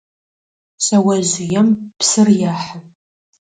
Шъэожъыем псыр ехьы.